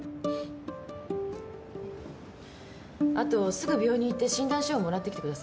あとすぐ病院に行って診断書をもらってきてください。